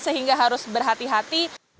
sehingga harus berhati hati